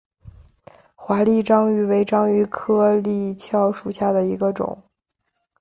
华丽章鱼为章鱼科丽蛸属下的一个种。